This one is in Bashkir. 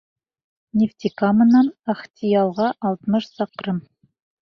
...Нефтекаманан Ахтиялға — алтмыш саҡрым.